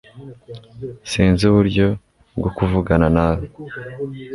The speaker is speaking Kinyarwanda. Sinzi uburyo bwo kuvugana nawe